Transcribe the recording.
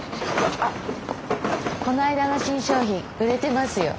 この間の新商品売れてますよ。